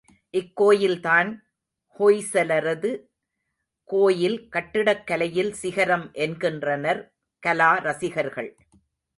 இக்கோயில்தான் ஹொய்சலரது கோயில் கட்டிடக் கலையில் சிகரம் என்கின்றனர், கலா ரசிகர்கள்.